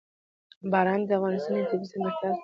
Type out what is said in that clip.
باران د افغانستان یوه طبیعي ځانګړتیا ده.